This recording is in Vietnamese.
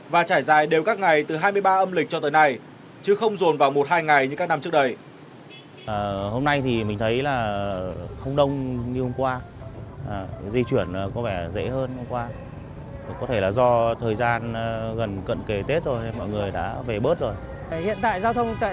và trải dài đều các ngày từ hai mươi ba âm lịch cho tới nay chứ không dồn vào một hai ngày như các năm trước đây